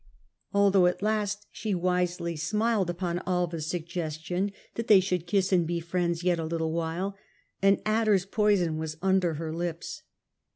Although at last she wisely smiled upon Alva's suggestion that they should kiss and be friends yet a little while, an adder's poison was under her lips.